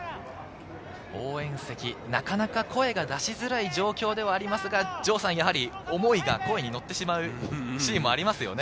応援席、なかなか声が出しづらい状況ではありますが、思いが声に乗ってしまうシーンもありますよね？